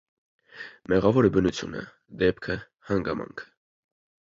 Մեղավոր է բնությունը, դեպքը, հանգամանքը…